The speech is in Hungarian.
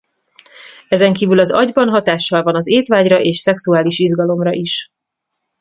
Ezenkívül az agyban hatással van az étvágyra és szexuális izgalomra is.